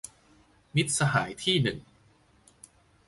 มิตรสหายที่หนึ่ง